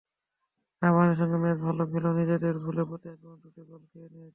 আবাহনীর সঙ্গে ম্যাচে ভালো খেলেও নিজেদের ভুলে প্রতি-আক্রমণে দুটি গোল খেয়ে যাই।